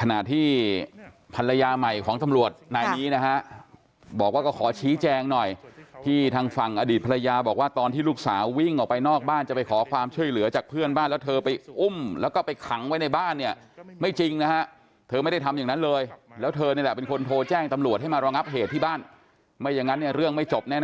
ขณะที่ภรรยาใหม่ของตำรวจนายนี้นะฮะบอกว่าก็ขอชี้แจงหน่อยที่ทางฝั่งอดีตภรรยาบอกว่าตอนที่ลูกสาววิ่งออกไปนอกบ้านจะไปขอความช่วยเหลือจากเพื่อนบ้านแล้วเธอไปอุ้มแล้วก็ไปขังไว้ในบ้านเนี่ยไม่จริงนะฮะเธอไม่ได้ทำอย่างนั้นเลยแล้วเธอนี่แหละเป็นคนโทรแจ้งตำรวจให้มารองับเหตุที่บ้านไม่อย่างนั้นเนี่ยเรื่องไม่จบแน่